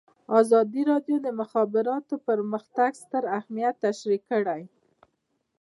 ازادي راډیو د د مخابراتو پرمختګ ستر اهميت تشریح کړی.